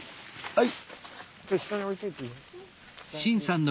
はい。